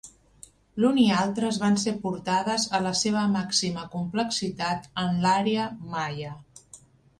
L'un i altres van ser portades a la seva màxima complexitat en l'Àrea Maia.